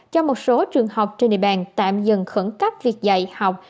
cho một số trường học trên địa bàn tạm dừng khẩn cấp việc dạy học